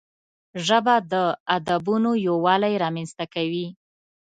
ژبه د ادبونو یووالی رامنځته کوي